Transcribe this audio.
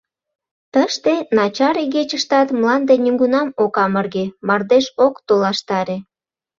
Тыште начар игечыштат мланде нигунам ок амырге, мардеж ок толаштаре.